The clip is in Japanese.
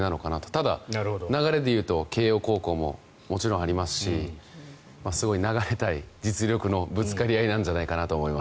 ただ、流れで言うと慶応高校ももちろんありますしすごい流れ対実力のぶつかり合いではないかと思います。